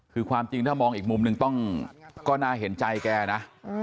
คือความจริงถ้ามองอีกมุมหนึ่งต้องก็น่าเห็นใจแกนะ